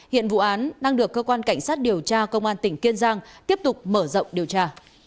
hiện vụ án đang được cơ quan cảnh sát điều tra công an tỉnh kiên giang tiếp tục mở rộng điều tra